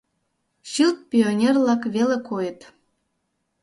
Чылт пионерлак веле койыт.